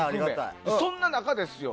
そんな中ですよ。